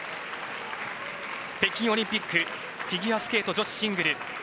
北京オリンピックフィギュアスケート女子シングル。